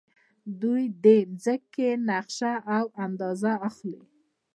دوی د ځمکې نقشه او اندازه اخلي.